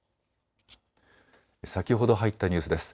先ほど入ったニュースです。